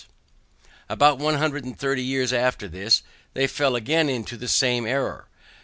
About one hundred and thirty years after this, they fell again into the same error.